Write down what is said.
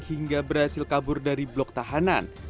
hingga berhasil kabur dari blok tahanan